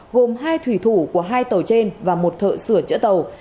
gồm hai thủy thủ của hai tàu trên và một thợ sửa chữa tàu